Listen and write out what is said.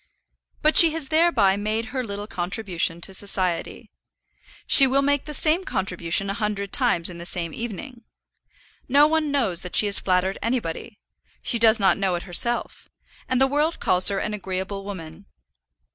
But she has thereby made her little contribution to society. She will make the same contribution a hundred times in the same evening. No one knows that she has flattered anybody; she does not know it herself; and the world calls her an agreeable woman.